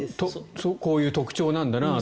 こういう特徴なんだなと。